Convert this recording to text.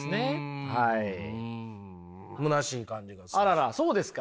あららそうですか。